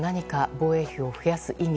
防衛費を増やす意味